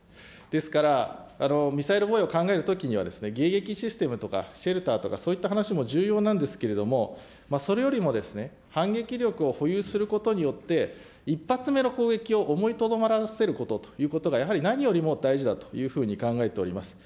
ですからミサイル防衛を考えるときには、迎撃システムとかシェルターとか、そういった話も重要なんですけれども、それよりも反撃力を保有することによって、一発目の攻撃を思いとどまらせることというのがやはり何よりも大事だというふうに考えております。